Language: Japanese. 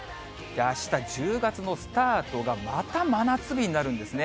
あした１０月のスタートがまた真夏日になるんですね。